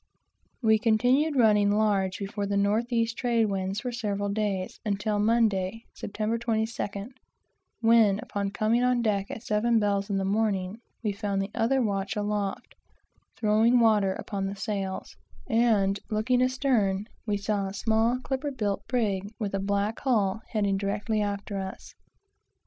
We continued running large before the north east trade winds for several days, until Monday September 22d; when, upon coming on deck at seven bells in the morning, we found the other watch aloft throwing water upon the sails; and looking astern, we saw a small clipper built brig with a black hull heading directly after us.